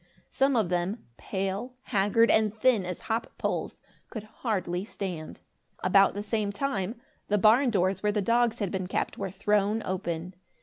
Some of them pale, haggard and thin as hop poles, could hardly stand. About the same time, the barn doors where the dogs had been kept, were thrown open.